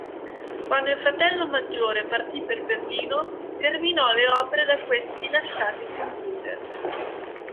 Quando il fratello maggiore partì per Berlino, terminò le opere da questi lasciate incompiute.